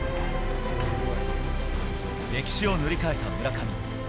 歴史を塗り替えた村上。